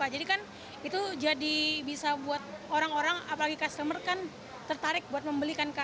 jadi kan itu jadi bisa buat orang orang apalagi customer kan tertarik buat membelikan